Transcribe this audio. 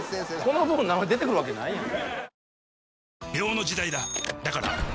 「この部分の名前」で出てくるわけないやん。